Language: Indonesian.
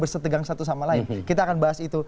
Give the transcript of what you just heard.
bersetegang satu sama lain kita akan bahas itu